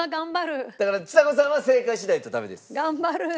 だからちさ子さんは正解しないとダメです。